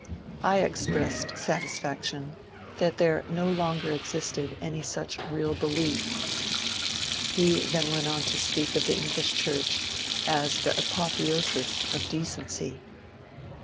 I expressed satis faction that there no longer existed any such real belief. He then went on to speak of the English Church as the ^^ apothe osis of Decency."